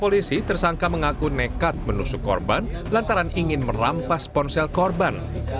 polisi tersangka mengaku nekat menusuk korban lantaran ingin merampas ponsel korban